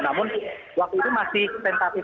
namun waktu itu masih kurang dari satu jam